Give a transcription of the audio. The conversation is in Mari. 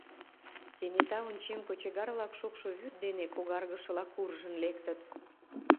Кенета, ончем, кочегар-влак шокшо вӱд дене когаргышыла куржын лектыт.